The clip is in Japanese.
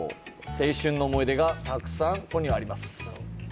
青春の思い出がたくさんここにはあります。